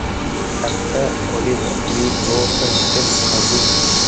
Actor Oliver Reed was a step-cousin.